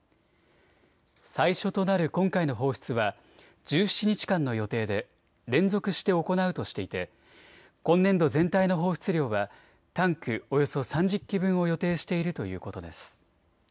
最初となる今回の放出は１７日間の予定で連続して行うとしていて今年度全体の放出量はタンクおよそ３０基分を予定しているということです。